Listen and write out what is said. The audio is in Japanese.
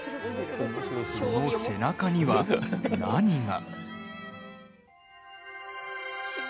その背中には何が？